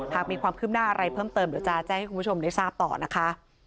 หากมีความคืบหน้าอะไรเพิ่มเติมเดี๋ยวจะแจ้งให้คุณผู้ชมได้ทราบต่อนะคะ